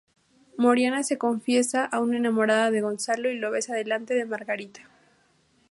Mariana se confiesa aún enamorada de Gonzalo y lo besa delante de Margarita.